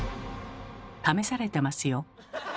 試されてますよ。